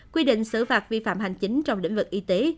quy định xử phạt vi phạm hành chính trong lĩnh vực y tế